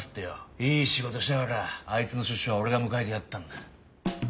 いい仕事したからあいつの出所は俺が迎えてやったんだ。